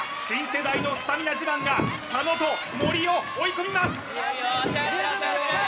新世代のスタミナ自慢が佐野と森を追い込みますいいよいいよ